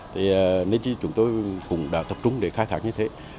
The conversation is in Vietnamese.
thì nên thì chúng tôi cũng đã tập trung để khai thác như thế